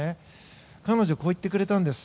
彼女はこう言ってくれたんです。